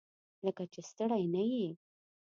لکه چې ستړی نه یې؟